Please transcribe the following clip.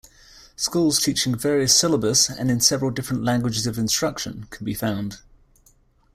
Schools teaching various syllabus and in several different languages of instruction can be found.